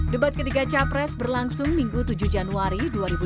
debat ketiga capres berlangsung minggu tujuh januari dua ribu dua puluh empat